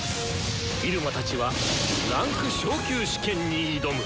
入間たちは位階昇級試験に挑む！